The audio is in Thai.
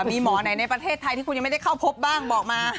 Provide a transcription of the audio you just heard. มีหมอไหนในประเทศไทยที่คุณยังไม่ได้เข้าพบบ้างบอกมา